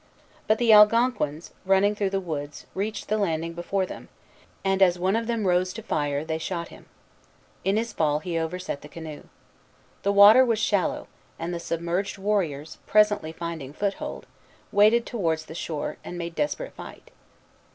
But the Algonquins, running through the woods, reached the landing before them, and, as one of them rose to fire, they shot him. In his fall he overset the canoe. The water was shallow, and the submerged warriors, presently finding foothold, waded towards the shore, and made desperate fight.